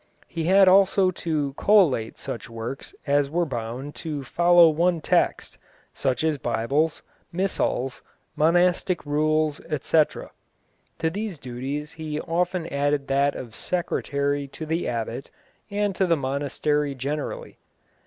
He had also to collate such works as were bound to follow one text, such as Bibles, missals, monastic rules, etc. To these duties he often added that of secretary to the abbot and to the monastery generally.